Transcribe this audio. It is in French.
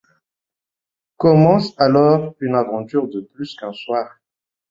Commence alors une aventure de plus qu'un soir.